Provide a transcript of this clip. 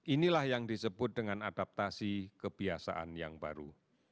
inilah yang disebut dengan adaptasi kebiasaan yang baru